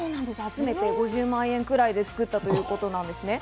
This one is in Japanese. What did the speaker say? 集めて５０万円くらいで作ったということなんです。